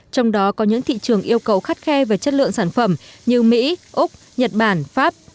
trong đó có những thị trường yêu cầu khắt khe về chất lượng sản phẩm như mỹ úc nhật bản pháp